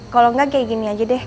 kalau enggak kayak gini aja deh